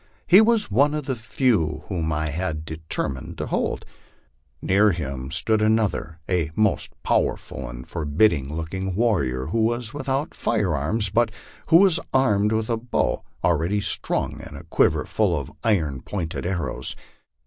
He was one of the few whom I had determined to hold. Near him stood another, a most powerful and forbidding looking warrior, who was without firearms, but who was armed with a bow, already strung, and a quiver full of iron pointed arrows.